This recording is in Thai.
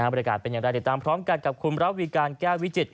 บริการเป็นอย่างไรติดตามพร้อมกันกับคุณระวีการแก้ววิจิต